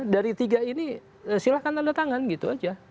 dari tiga ini silahkan tanda tangan gitu aja